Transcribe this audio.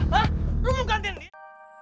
hah lo bukan tindih